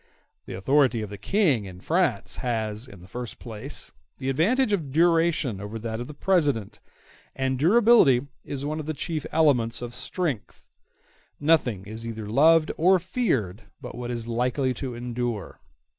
The authority of the King, in France, has, in the first place, the advantage of duration over that of the President, and durability is one of the chief elements of strength; nothing is either loved or feared but what is likely to endure.